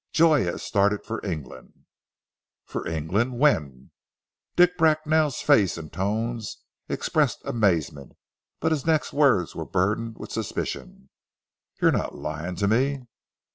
"Joy has started for England." "For England when?" Dick Bracknell's face and tones expressed amazement, but his next words were burdened with suspicion. "You're not lying to me?"